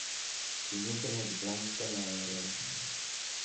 Si nutrono di plancton aereo.